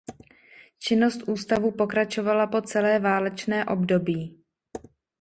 Činnost ústavu pokračovala po celé válečné období.